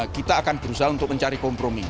kita akan berusaha untuk mencari kompromi